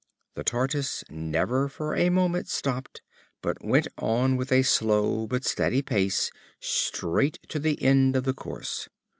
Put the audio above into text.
The Tortoise never for a moment stopped, but went on with a slow but steady pace straight to the end of the course.